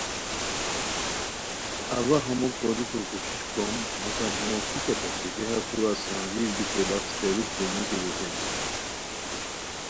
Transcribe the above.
اوا ہموکوریکو کوششو کوم مگم ہمو کیچہ کوسی دیہہ کورا سنجیر بیکو بݰ تیریک دی نِکی ریسان